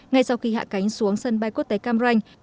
ngay sau khi hạ cánh xuống sân bay quốc tế cam ranh